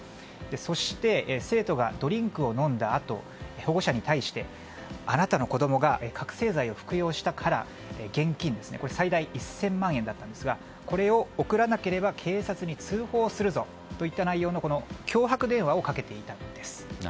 そして、生徒がドリンクを飲んだあと保護者に対して、あなたの子供が覚醒剤を服用したから現金最大１０００万円だったんですがこれを送らなければ警察に通報するぞといった内容の脅迫電話をかけていたんです。